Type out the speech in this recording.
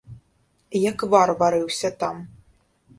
Як вар варыўся там.